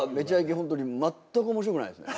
本当に全く面白くないですね。